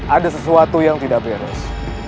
ada sesuatu yang tidak beres